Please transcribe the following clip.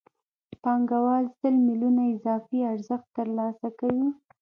پانګوال سل میلیونه اضافي ارزښت ترلاسه کوي